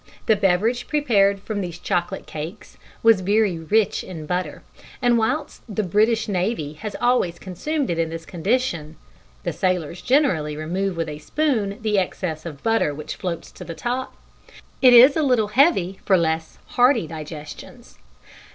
The beverage prepared from these chocolate cakes was very rich in butter, and whilst the British Navy has always consumed it in this condition (the sailors generally remove with a spoon the excess of butter which floats to the top) it is a little heavy for less hardy digestions.